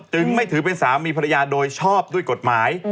ไม่ถือเป็นสามีภรรยาโดยชอบด้วยกฎหมาย